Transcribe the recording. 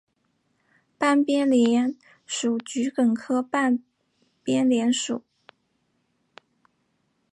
半边莲属桔梗科半边莲属。